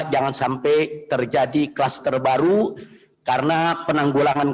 jangan sampai terjadi kelas terbaru karena penanggulangan